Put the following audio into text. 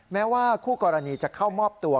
แม้ว่าคู่กรณีจะเข้ามอบตัว